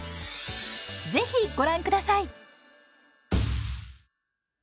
ぜひ、ご覧ください。